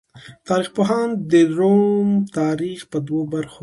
تاریخ پوهان د روم تاریخ په دوو برخو ویشي.